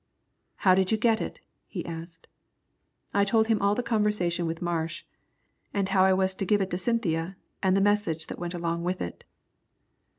"How did you get it?" he asked. I told him all the conversation with Marsh, and how I was to give it to Cynthia and the message that went along with it.